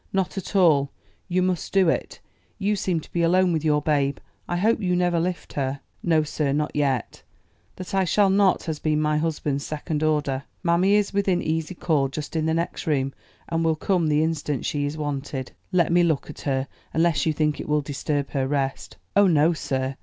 "Not at all; you must do it. You seem to be alone with your babe. I hope you never lift her?" "No, sir, not yet. That I shall not has been my husband's second order. Mammy is within easy call, just in the next room, and will come the instant she is wanted." "Let me look at her; unless you think it will disturb her rest." "Oh, no, sir."